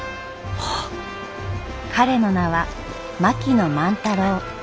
彼の名は槙野万太郎。